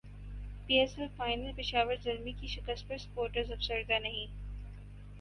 پی S L final Peshawar Zalmi کی شکست پر سپورٹرز افسردہ نہیں